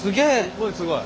すごいすごい。